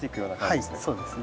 はいそうですね。